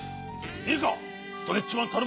いいかストレッチマンたるもの